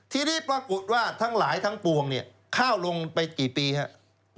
ทีนี้ปรากฏว่าทั้งหลายทั้งปวงเนี่ยข้าวลงไปกี่ปีครับ